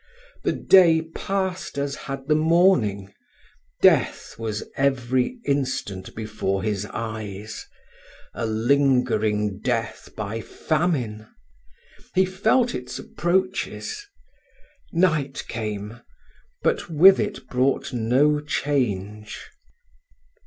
The day passed as had the morning death was every instant before his eyes a lingering death by famine he felt its approaches: night came, but with it brought no change.